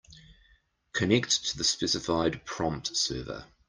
Connect to the specified prompt server.